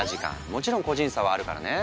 もちろん個人差はあるからね。